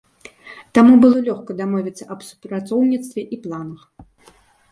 Таму было лёгка дамовіцца аб супрацоўніцтве і планах.